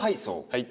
はい。